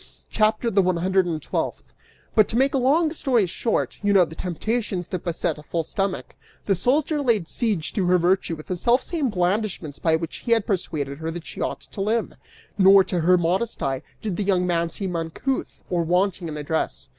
CHAPTER THE ONE HUNDRED AND TWELFTH. "But to make a long story short, you know the temptations that beset a full stomach: the soldier laid siege to her virtue with the selfsame blandishments by which he had persuaded her that she ought to live. Nor, to her modest eye, did the young man seem uncouth or wanting in address.